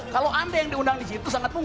kalau anda yang diundang di situ sangat mungkin